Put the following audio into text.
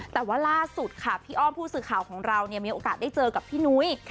แต่ว่าล่าสุดค่ะพี่อ้อมผู้สื่อข่าวของเรามีโอกาสได้เจอกับพี่นุ้ย